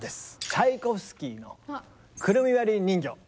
チャイコフスキーの「くるみ割り人形」。